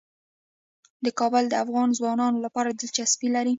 کابل د افغان ځوانانو لپاره دلچسپي لري.